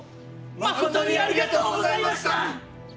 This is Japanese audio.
まことにありがとうございました！